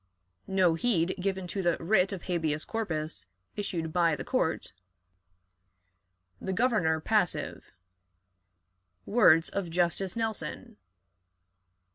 No Heed given to the Writ of Habeas Corpus issued by the Court. The Governor passive. Words of Justice Nelson.